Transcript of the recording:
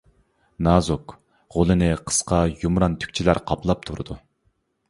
نازۇك، غولىنى قىسقا يۇمران تۈكچىلەر قاپلاپ تۇرىدۇ.